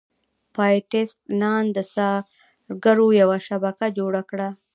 باپټیست نان د څارګرو یوه شبکه جوړه کړه.